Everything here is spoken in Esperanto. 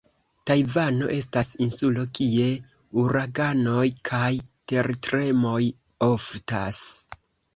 Tajvano estas insulo, kie uraganoj kaj tertremoj oftas.